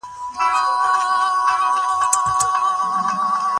زه غواړم چي په ویب ډیزاین کي کار وکړم.